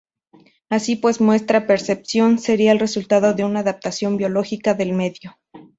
Así pues, nuestra percepción sería el resultado de una adaptación biológica al medio.